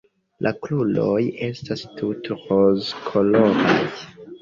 La kruroj estas tute rozkoloraj.